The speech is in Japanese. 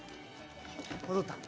戻った！